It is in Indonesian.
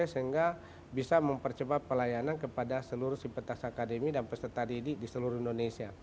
sehingga bisa mempercepat pelayanan kepada seluruh simpatis akademi dan peserta didik di seluruh indonesia